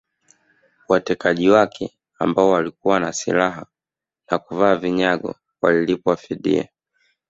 Watekaji wake ambao walikuwa na silaha na kuvaa vinyago walilipwa fidia